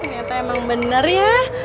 ternyata emang bener ya